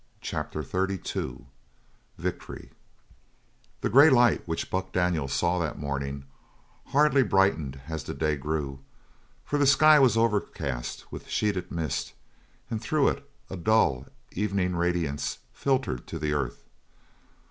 CHAPTER XXXII VICTORY The grey light which Buck Daniels saw that morning, hardly brightened as the day grew, for the sky was overcast with sheeted mist and through it a dull evening radiance filtered to the earth.